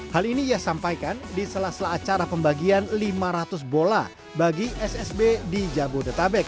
hal ini ia sampaikan di salah salah acara pembagian lima ratus bola bagi ssb di jabodetabek